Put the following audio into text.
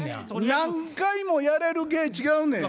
何回もやれる芸違うねや。